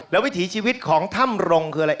และวิถีชีวิตของท่ามรงค์คืออะไร